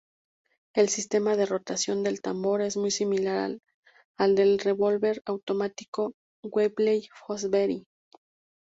El sistema de rotación del tambor es muy similar al del revólver automático Webley-Fosbery.